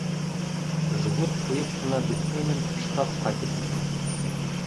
Жгут ҡуйып ҡына бөткәйнем «шкаф» ҡайтып инде.